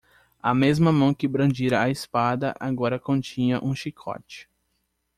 A mesma mão que brandira a espada agora continha um chicote.